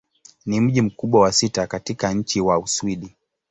Ni mji mkubwa wa sita katika nchi wa Uswidi.